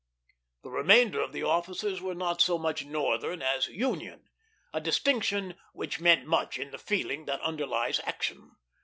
The remainder of the officers were not so much Northern as Union, a distinction which meant much in the feeling that underlies action.